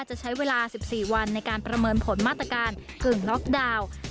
จะใช้เวลา๑๔วันในการประเมินผลมาตรการกึ่งล็อกดาวน์